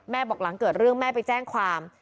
บอกหลังเกิดเรื่องแม่ไปแจ้งความ